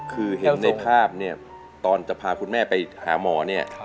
คือเห็นในภาพเนี่ยตอนจะพาคุณแม่ไปหาหมอเนี่ย